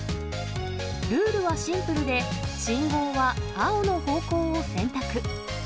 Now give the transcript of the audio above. ルールはシンプルで、信号は青の方向を選択。